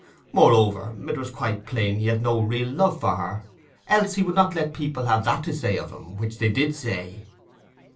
Moreover, it was quite plain he had no real love for her, else he would not let people have that to say of him which they did say.